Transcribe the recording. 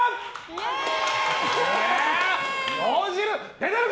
イエーイ！